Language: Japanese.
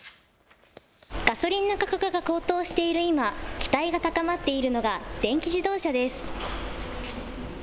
ガソリンの価格が高騰している今、期待が高まっているのが電気自動車です。